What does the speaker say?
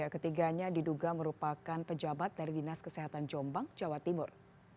ketiganya diduga merupakan pejabat dari dinas kesehatan jombang jawa timur